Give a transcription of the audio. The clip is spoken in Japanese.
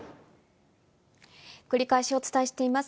繰り返しお伝えしています。